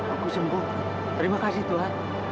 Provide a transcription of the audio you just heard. aku sembuh terima kasih tuhan